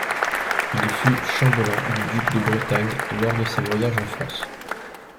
Il fut Chambellan du duc de Bretagne lors de ses voyages en France.